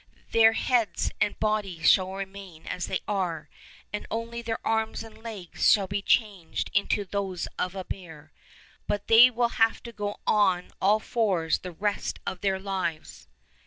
Their heads and bodies shall remain as they are, and only their arms and legs shall be changed into those of a bear; but they will have to go on all fours the rest of their lives."